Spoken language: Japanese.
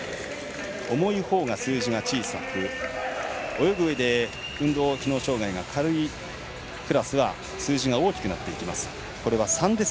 重いほうが数字が小さく泳ぐうえで運動機能障がいが軽いクラスは数字が大きくなっていきます。